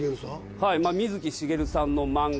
はい水木しげるさんの漫画。